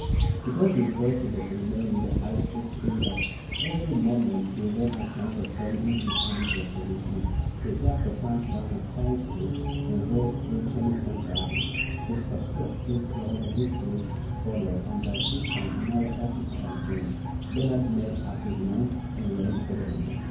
It was impossible to remain in the High Street, seeing that every moment he ran a chance of falling into the arms of a policeman. He therefore turned down a side street and raced through Cheniston Gardens. His pursuer, still close on his heels, followed, and by this time another officer had joined. Bernard made up his mind and ran for the river.